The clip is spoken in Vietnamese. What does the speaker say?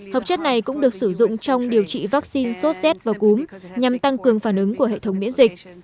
hợp chất này cũng được sử dụng trong điều trị vaccine sốt z và cúm nhằm tăng cường phản ứng của hệ thống miễn dịch